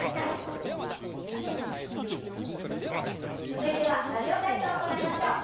続いては「ラジオ体操」を行いましょう。